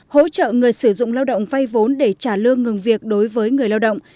hỗ trợ người sử dụng lao động vay vốn để trả lương ngừng việc đối với người lao động